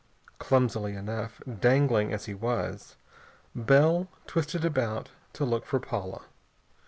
Clumsily enough, dangling as he was, Bell twisted about to look for Paula.